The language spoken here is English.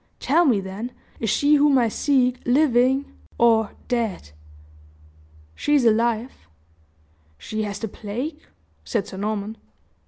Tell me, then, is she whom I seek living or dead?" "She is alive." "She has the plague?" said Sir Norman.